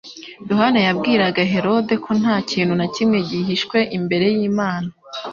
Yohana yabwiraga Herode ko nta kintu na kimwe gihishwe imbere y'Imana.